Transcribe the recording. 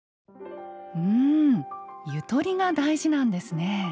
うんゆとりが大事なんですね。